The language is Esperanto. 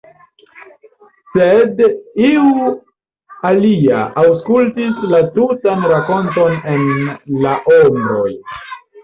Sed, iu alia aŭskultis la tutan rakonton en la ombroj.